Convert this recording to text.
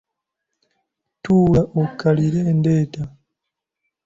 Tuula okkalire ndeeta.